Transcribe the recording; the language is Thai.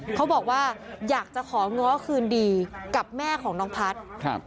เขาบอกว่าอยากจะของ้อคืนดีกับแม่ของน้องพัฒน์